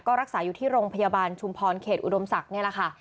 ก็รักษาอยู่ที่โรงพยาบาลชุมพรเขตอุดมศักดิ์นี่แหละค่ะ